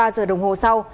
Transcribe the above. ba giờ đồng hồ sau